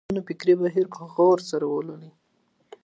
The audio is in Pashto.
د تېرو نسلونو فکري بهير په غور سره ولولئ.